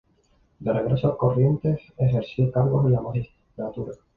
De regreso a Corrientes ejerció cargos en la magistratura.